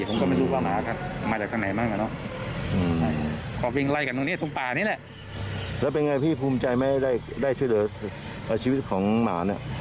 ผมก็ไม่รู้ว่าหมามาจากทางไหนบ้างนะ